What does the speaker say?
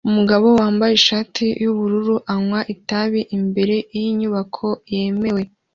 Umugabo wambaye ishati yubururu anywa itabi imbere yinyubako yemewe